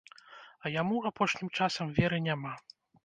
А яму апошнім часам веры няма.